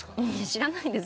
知らないです。